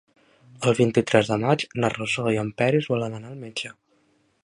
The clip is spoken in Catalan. El vint-i-tres de maig na Rosó i en Peris volen anar al metge.